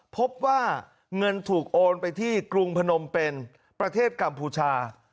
พบว่าเงินถูกโอนไปที่กรุงพนมเป็นประเทศกัมพูชา